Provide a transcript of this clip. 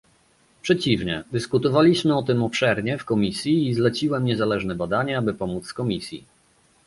Przeciwnie, dyskutowaliśmy o tym obszernie w komisji i zleciłem niezależne badanie, aby pomóc komisji